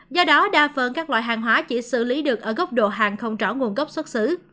do đó đa phần các loại hàng hóa chỉ xử lý được ở góc độ hàng không rõ nguồn gốc xuất xứ